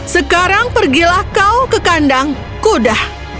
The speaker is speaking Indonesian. sekarang pergilah kau ke kandang kuda